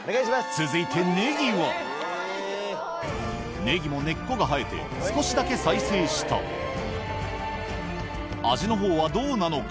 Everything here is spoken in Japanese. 続いてネギはネギも根っこが生えて少しだけ再生した味のほうはどうなのか？